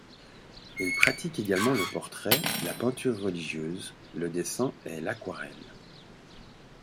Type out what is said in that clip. Il pratique également le portrait, la peinture religieuse, le dessin et l'aquarelle.